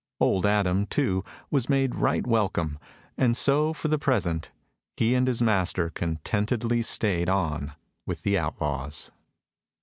Old Adam, too, was made right welcome; and so, for the present, he and his master contentedly stayed on with the outlaws.